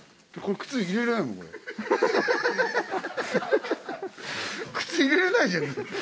靴入れられないじゃん。